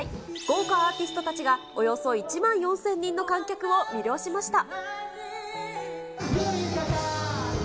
豪華アーティストたちがおよそ１万４０００人の観客を魅了しました。